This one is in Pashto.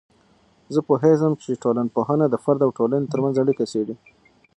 زه پوهیږم چې ټولنپوهنه د فرد او ټولنې ترمنځ اړیکه څیړي.